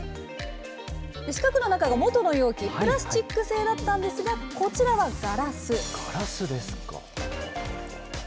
四角の中がもとの容器、プラスチック製だったんですが、こちらはガラスですか。